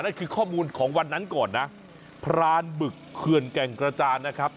นั่นคือข้อมูลของวันนั้นก่อนนะพรานบึกเขื่อนแก่งกระจานนะครับ